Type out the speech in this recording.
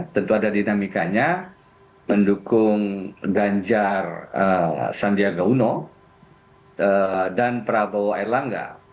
tentu ada dinamikanya mendukung ganjar sandiaga uno dan prabowo air langga